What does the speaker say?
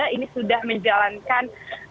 ini sudah menjalankan